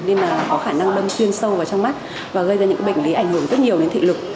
nên là có khả năng đâm xuyên sâu vào trong mắt và gây ra những bệnh lý ảnh hưởng rất nhiều đến thị lực